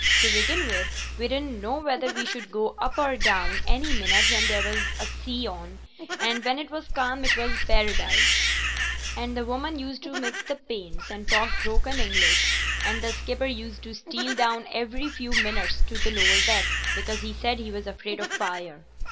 To begin with, we didn't know whether we should go up or go down any minute when there was a sea on; and when it was calm it was paradise; and the woman used to mix the paints and talk broken English, and the skipper used to steal down every few minutes to the lower deck, because he said he was afraid of fire.